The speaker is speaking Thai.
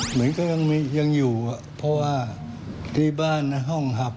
เหมือนก็ยังอยู่เพราะว่าที่บ้านห้องหัก